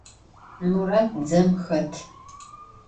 Murat dzem xet.